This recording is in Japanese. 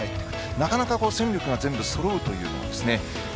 なかなか戦力が全部そろうというのは。